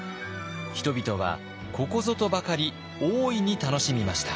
人々はここぞとばかり大いに楽しみました。